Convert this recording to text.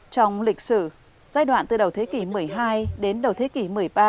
trong lịch sử giai đoạn từ đầu thế kỷ một mươi hai đến đầu thế kỷ một mươi ba